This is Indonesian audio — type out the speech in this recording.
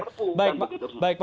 perpu dan begitu saja